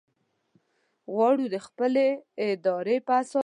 غواړو د خپلې ارادې په اساس زعامت رامنځته کړو.